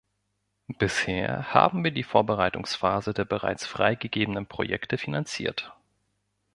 Bisher haben wir die Vorbereitungsphase der bereits freigegebenen Projekte finanziert.